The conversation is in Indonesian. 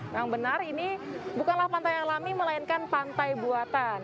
yang benar ini bukanlah pantai alami melainkan pantai buatan